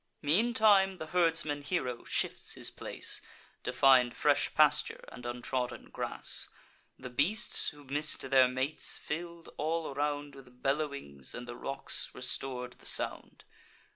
"Meantime the herdsman hero shifts his place, To find fresh pasture and untrodden grass. The beasts, who miss'd their mates, fill'd all around With bellowings, and the rocks restor'd the sound.